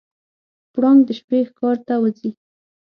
پړانګ د شپې ښکار ته وځي.